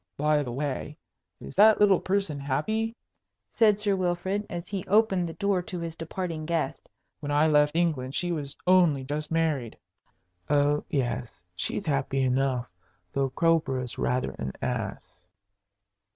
"By the way, is that little person happy?" said Sir Wilfrid, as he opened the door to his departing guest. "When I left England she was only just married." "Oh yes, she's happy enough, though Crowborough's rather an ass."